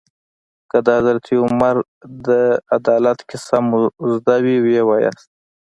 که د حضرت عمر فاروق رض د عدالت کیسه مو زده وي ويې وایاست.